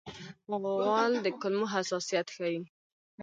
غول د کولمو حساسیت ښيي.